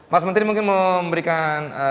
mas menteri mungkin mau memberikan